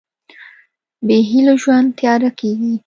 بېهيلو ژوند تیاره کېږي.